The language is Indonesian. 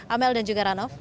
amel dan juga arnav